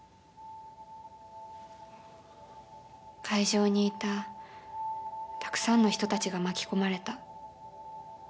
会場にいたたくさんの人たちが巻き込まれた。